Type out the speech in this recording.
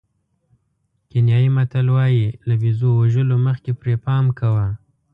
کینیايي متل وایي له بېزو وژلو مخکې پرې پام کوه.